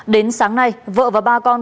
đến sáng nay vợ và ba con